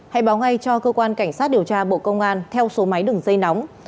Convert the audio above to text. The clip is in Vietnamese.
hãy báo ngay cho cơ quan cảnh sát điều tra bộ công an theo số máy đường dây nóng